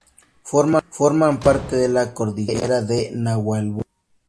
Forman parte de la Cordillera de Nahuelbuta.